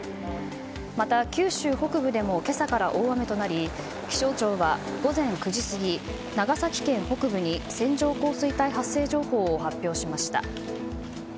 また、九州北部でも今朝から大雨となり気象庁は午前９時過ぎ長崎県北部に線状降水帯発生情報を発表しました。